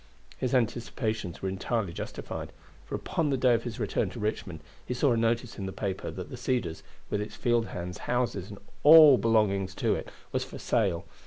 His anticipations were entirely justified; for upon the day of his return to Richmond he saw a notice in the paper that the Cedars, with its field hands, houses, and all belonging to it, was for sale.